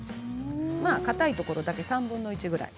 かたいところ、３分の１くらい。